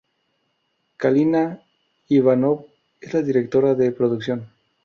Kalina Ivanov es la directora de producción.